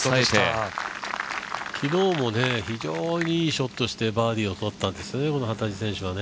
昨日も非常にいいショットをしてバーディーをとったんですね、幡地さんね。